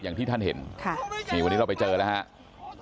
อย่างที่ท่านเห็นวันนี้เราไปเจอแล้ว